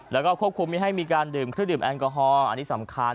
แล้วก็ควบคุมไม่ให้มีการดื่มเครื่องดื่มแอลกอฮอลอันนี้สำคัญ